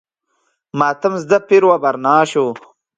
ماتم زده پیر و برنا شو.